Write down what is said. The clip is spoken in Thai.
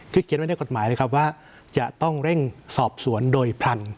คือเขียนไว้ในกฎหมายเลยครับว่าจะต้องเร่งสอบสวนโดยพลัน